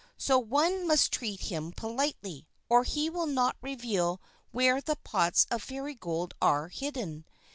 So one must treat him politely, or he will not reveal where the pots of Fairy Gold are hidden.